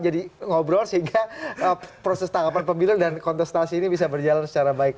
jadi ngobrol sehingga proses tanggapan pembilu dan kontestasi ini bisa berjalan secara baik